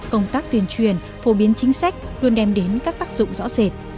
công tác tuyên truyền phổ biến chính sách luôn đem đến các tác dụng rõ rệt